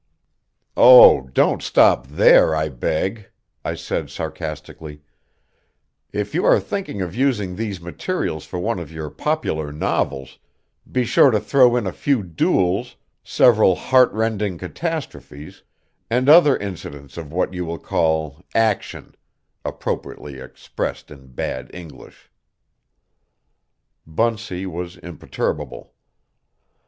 "Oh, don't stop there, I beg," I said sarcastically; "if you are thinking of using these materials for one of your popular novels, be sure to throw in a few duels, several heartrending catastrophes, and other incidents of what you call 'action,' appropriately expressed in bad English." Bunsey was imperturbable.